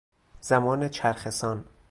زمان چرخهسان